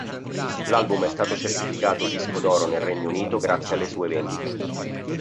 L'album è stato certificato disco d'oro nel Regno Unito grazie alle sue vendite.